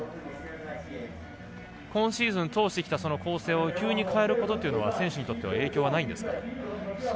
今シーズン通してきた構成を急に変えることというのは選手にとって影響はないんですか？